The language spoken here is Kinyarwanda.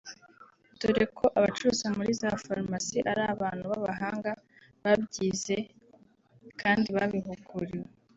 dore ko abacuruza muri za Farumasi ari abantu b’abahanga babyize kandi babihuguriwe